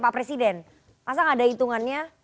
bagaimana menurut anda